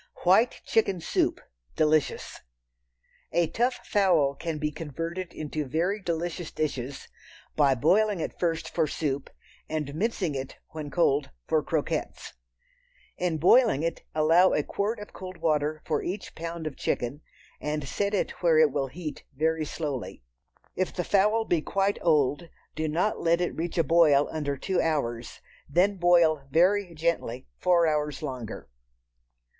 White Chicken Soup (Delicious). A tough fowl can be converted into very delicious dishes by boiling it first for soup and mincing it, when cold, for croquettes. In boiling it, allow a quart of cold water for each pound of chicken, and set it where it will heat very slowly. If the fowl be quite old do not let it reach a boil under two hours, then boil very gently four hours longer.